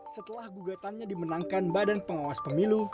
setelah gugatannya dimenangkan badan pengawas pemilu